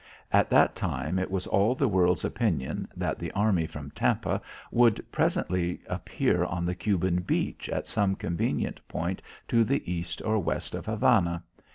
At that time it was all the world's opinion that the army from Tampa would presently appear on the Cuban beach at some convenient point to the east or west of Havana.